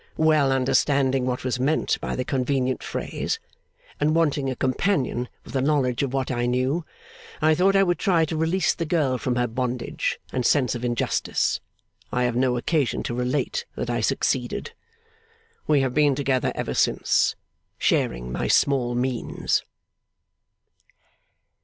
Well understanding what was meant by the convenient phrase, and wanting a companion with a knowledge of what I knew, I thought I would try to release the girl from her bondage and sense of injustice. I have no occasion to relate that I succeeded. We have been together ever since, sharing my small means.